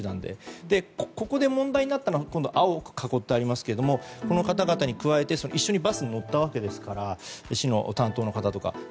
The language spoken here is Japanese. ここで問題になったのは下で青く囲ってありますがこの方々に加えてバスに一緒に乗ったわけですから市の担当の方とかね。